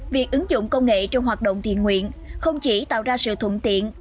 việc ứng dụng công nghệ trong hoạt động thiện nguyện không chỉ tạo ra sự thuận tiện